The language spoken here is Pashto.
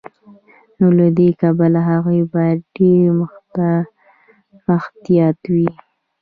نو له دې کبله هغوی باید ډیر محتاط وي.